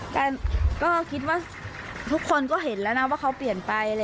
แต่ก็คิดว่าทุกคนก็เห็นแล้วนะว่าเขาเปลี่ยนไป